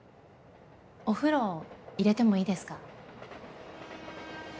お風呂入れてもいいですか？